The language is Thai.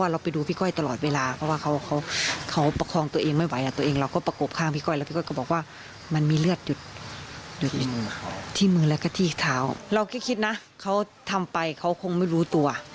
เราคิดนะเขาทำไปเขาคงไม่รู้ตัว